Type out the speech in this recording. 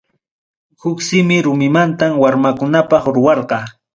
Huk simi rumimanta warmakunapaq ruwarqa.